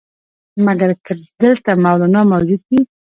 مګر که دلته مولنا موجود وي.